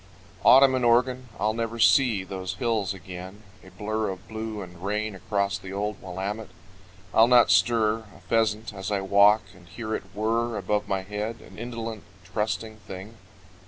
Autumn in Oregon I'll never see Those hills again, a blur of blue and rain Across the old Willamette. I'll not stir A pheasant as I walk, and hear it whirr Above my head, an indolent, trusting thing.